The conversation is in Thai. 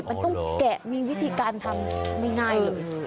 มันต้องแกะมีวิธีการทำไม่ง่ายเลย